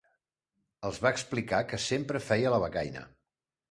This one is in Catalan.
Els va explicar que sempre feia la becaina.